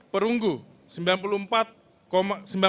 perunggu enam puluh tiga juta